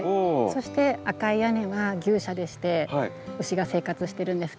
そして赤い屋根は牛舎でして牛が生活してるんですけど。